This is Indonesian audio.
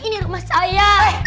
ini rumah saya